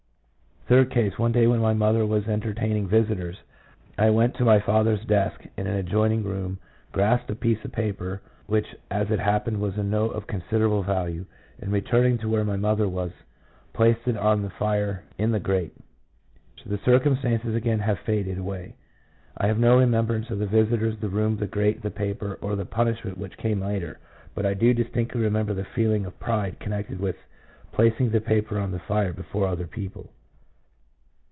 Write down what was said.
Third case. One day when my mother was enter taining visitors, I went to my father's desk in an adjoining room, grasped a piece of paper, which as it happened was a note of considerable value, and re turning to where my mother was, placed it on the fire in the grate. The circumstances again have faded away. I have no remembrance of the visitors, the room, the grate, the paper, or the punishment which came later; but I do distinctly remember the feeling of pride connected with placing the paper on the fire before other people.